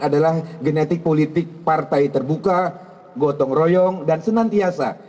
adalah genetik politik partai terbuka gotong royong dan senantiasa